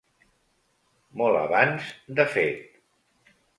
Molt abans, de fet.